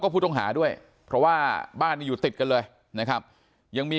ผู้ต้องหาด้วยเพราะว่าบ้านนี้อยู่ติดกันเลยนะครับยังมี